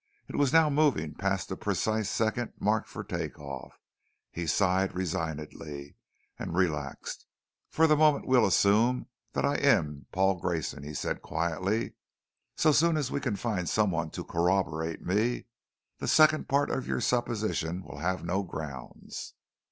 It was now moving past the precise second marked for take off. He sighed resignedly and relaxed. "For the moment we'll assume that I am Paul Grayson," he said quietly. "So soon as we can find someone to corroborate me, the second part of your supposition will have no grounds."